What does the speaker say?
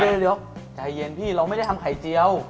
เร็วใจเย็นพี่เราไม่ได้ทำไข่เจียว